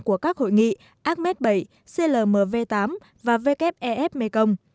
của các hội nghị acmed bảy clmv tám và wfef mekong